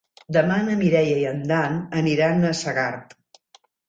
Demà na Mireia i en Dan aniran a Segart.